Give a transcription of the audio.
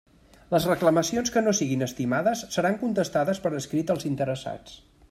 Les reclamacions que no siguin estimades seran contestades per escrit als interessats.